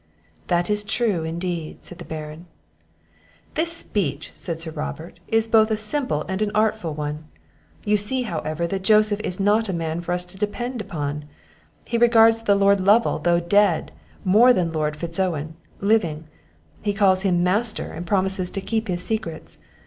"That is true, indeed," said the Baron. "This speech," said Sir Robert, "is both a simple and an artful one. You see, however, that Joseph is not a man for us to depend upon; he regards the Lord Lovel, though dead, more than Lord Fitz Owen, living; he calls him his master, and promises to keep his secrets.